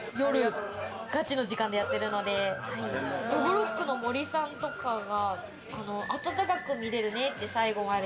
ガチの時間でやってるので、どぶろっくの森さんとかが、温かく見れるねって、最後まで。